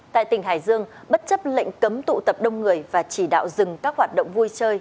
tại tỉnh hải dương bất chấp lệnh cấm tụ tập đông người và chỉ đạo dừng các hoạt động vui chơi